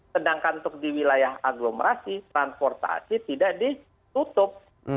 sedangkan untuk di wilayah aglomerasi transportasi tidak ditutup